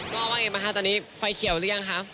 พ่อว่าอย่างไรบ้างคะตอนนี้ไฟเขียวหรือยังคะ